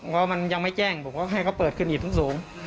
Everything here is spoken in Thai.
เพราะมันยังไม่แจ้งผมก็ให้เขาเปิดขึ้นอีกสูง